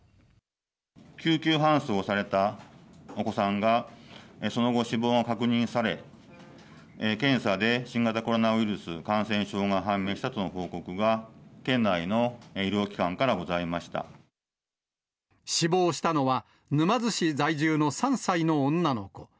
救急搬送されたお子さんが、その後、死亡が確認され、検査で新型コロナウイルス感染症が判明したとの報告が、死亡したのは、沼津市在住の３歳の女の子。